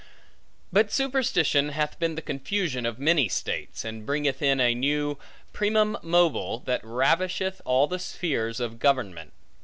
But superstition hath been the confusion of many states, and bringeth in a new primum mobile, that ravisheth all the spheres of government.